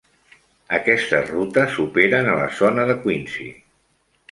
Aquestes rutes operen a la zona de Quincy.